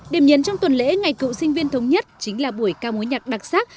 đềm nhấn trong tuần lễ ngày cựu sinh viên thống nhất chính là buổi cao mối nhạc đặc sắc